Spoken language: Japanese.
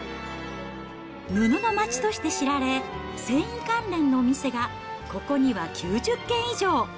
布の街として知られ、繊維関連のお店がここには９０軒以上。